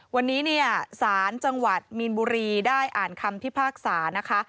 วันนี้เนี่ยศาลจังหวัดมีนบุรีได้อ่านคำพิพากษานะคะ